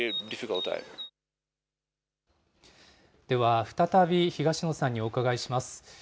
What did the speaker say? では、再び東野さんにお伺いします。